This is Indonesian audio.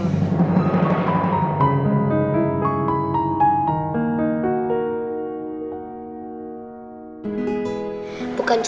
terima kasih banyak buat situ